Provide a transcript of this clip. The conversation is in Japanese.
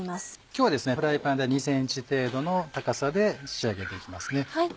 今日はフライパンで２ｃｍ程度の高さで仕上げて行きます。